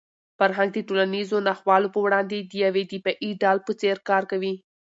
فرهنګ د ټولنیزو ناخوالو په وړاندې د یوې دفاعي ډال په څېر کار کوي.